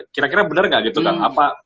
kira kira benar nggak gitu kang